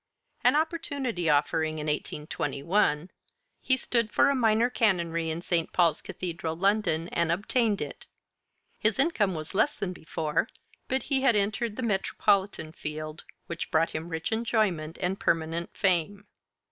An opportunity offering in 1821, he stood for a minor canonry in St. Paul's Cathedral, London, and obtained it; his income was less than before, but he had entered the metropolitan field, which brought him rich enjoyment and permanent fame.